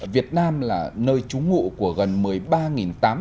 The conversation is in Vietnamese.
việt nam là nơi trú ngụ của gần một mươi ba triệu người việt nam